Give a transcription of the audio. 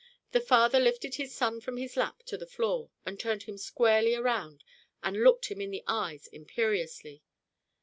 The father lifted his son from his lap to the floor, and turned him squarely around and looked him in the eyes imperiously.